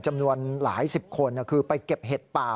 จำนวนหลายสิบคนคือไปเก็บเห็ดป่า